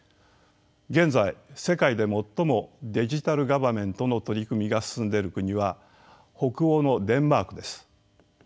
現在世界で最もデジタル・ガバメントの取り組みが進んでいる国は北欧のデンマークです。